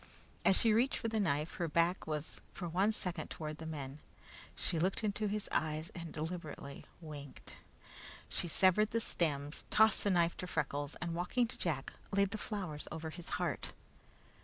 As she reached for the knife, her back was for one second toward the men. She looked into his eyes and deliberately winked. She severed the stems, tossed the knife to Freckles, and walking to Jack, laid the flowers over his heart.